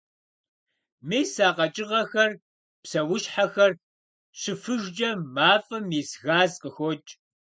Мис а къэкӀыгъэхэр, псэущхьэхэр щыфыжкӀэ мафӀэм ис газ къыхокӀ.